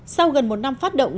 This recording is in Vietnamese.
sau gần một năm phát động